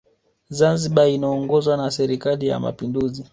zanzibar inaongozwa na serikali ya mapinduzi